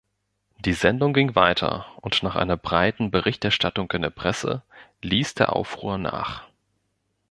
Die Sendung ging weiter, und nach einer breiten Berichterstattung in der Presse ließ der Aufruhr nach.